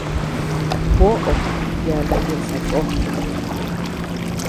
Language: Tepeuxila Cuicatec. Kuoʼo kiana ñeʼe sakó.